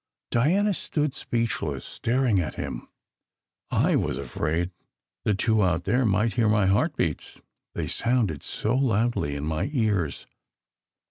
Diana stood speechless, staring at him. I was afraid the two out there might hear my heart beats, they sounded so loudly in my own ears.